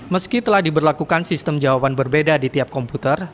meski telah diberlakukan sistem jawaban berbeda di tiap komputer